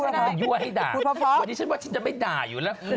นางยั่วให้ด่าวันนี้ฉันว่าฉันจะไม่ด่าอยู่แล้ว